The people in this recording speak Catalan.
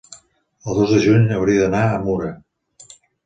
el dos de juny hauria d'anar a Mura.